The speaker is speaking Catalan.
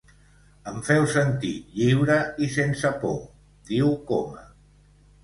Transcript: Em feu sentir lliure i sense por, diu Coma.